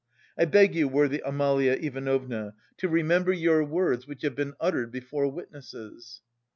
I beg you, worthy Amalia Ivanovna, to remember your words which have been uttered before witnesses."